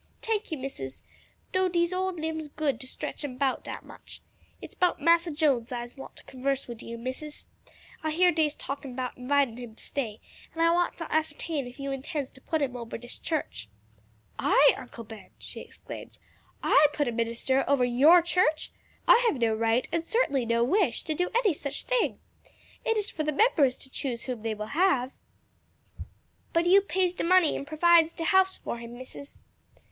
"Tank you, Missus; do dese ole limbs good to stretch 'em 'bout dat much. It's 'bout Massa Jones I'se want to converse wid you, Missus. I hear dey's talkin' 'bout invitin' him to stay, and I want to ascertain if you intends to put him ober dis church." "I, Uncle Ben!" she exclaimed, "I put a minister over your church? I have no right and certainly no wish to do any such thing. It is for the members to choose whom they will have." "But you pays de money and provides de house for him, Missus."